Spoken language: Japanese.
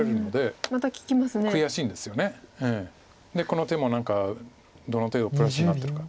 この手も何かどの程度プラスになってるか。